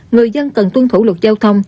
người dân cần tuân thủ luật giao thông